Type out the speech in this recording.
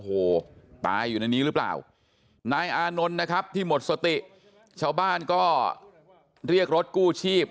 โอ้โหตายอยู่ในนี้หรือเปล่านายอานนท์นะครับที่หมดสติชาวบ้านก็เรียกรถกู้ชีพ